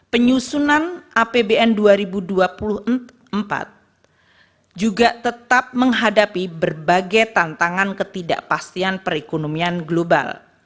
penyusunan apbn dua ribu dua puluh empat juga tetap menghadapi berbagai tantangan ketidakpastian perekonomian global